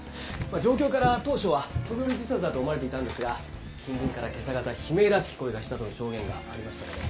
状況から当初は飛び降り自殺だと思われていたんですが近隣から今朝方悲鳴らしき声がしたとの証言がありましたので。